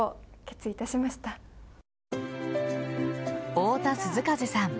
太田涼風さん